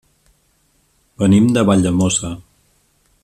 Venim de Valldemossa.